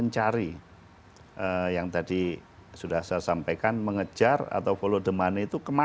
jeda sekali lagi tetaplah bersama kami